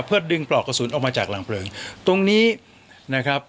เพื่อดึงปลอกกระสุนออกมาจากหลังเพลิงตรงนี้นะครับ